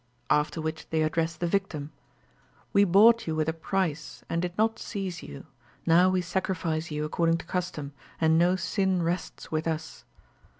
After which they address the victim. 'We bought you with a price, and did not seize you. Now we sacrifice you according to custom, and no sin rests with us.'